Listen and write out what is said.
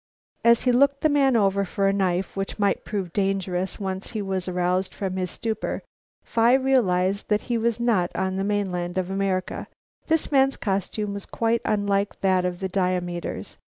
As he looked the man over for a knife which might prove dangerous once he was roused from his stupor. Phi realized that he was not on the mainland of America. This man's costume was quite unlike that of the Diomeders.